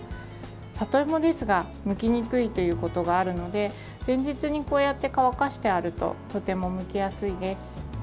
里芋ですがむきにくいということがあるので前日にこうやって乾かしてあるととてもむきやすいです。